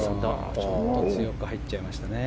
ちょっと強く入っちゃいましたね。